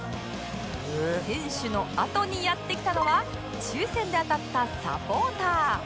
選手のあとにやって来たのは抽選で当たったサポーター